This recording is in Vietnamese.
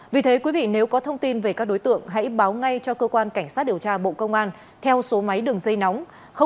vì thế quý vị nếu có thông tin về các đối tượng hãy báo ngay cho cơ quan cảnh sát điều tra bộ công an theo số máy đường dây nóng sáu mươi chín hai trăm ba mươi bốn năm nghìn tám trăm sáu mươi